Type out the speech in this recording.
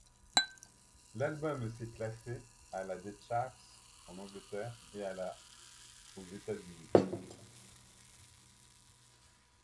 L'album s'est classé à la des charts en Angleterre et à la aux États-Unis.